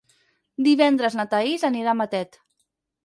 Divendres na Thaís anirà a Matet.